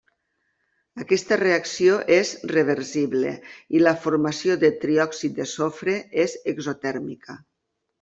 Aquesta reacció és reversible i la formació de triòxid de sofre és exotèrmica.